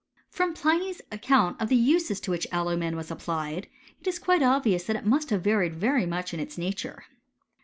'*■ From Pliny's account of the uses to which alumij was applied, it is quite obvious that it must Hii varied very much in its nature.